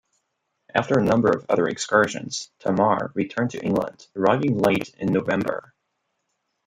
After a number of other excursions, "Tamar" returned to England, arriving late in November.